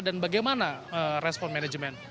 dan bagaimana respon manajemen